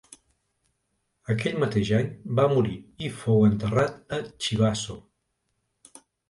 Aquell mateix any va morir i fou enterrat a Chivasso.